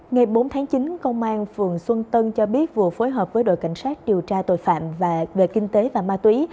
ngày bốn tháng chín công an phường xuân tân cho biết vừa phối hợp với đội cảnh sát điều tra tội phạm về kinh tế và ma túy